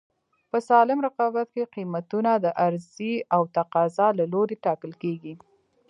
په سالم رقابت کې قیمتونه د عرضې او تقاضا له لورې ټاکل کېږي.